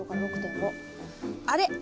あれ？